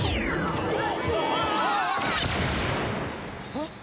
あっ！